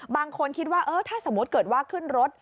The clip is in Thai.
บางคนคิดว่าถ้าสมมุติเกิดว่าขึ้นรถ